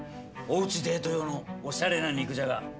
おうちデート用のおしゃれな肉じゃが。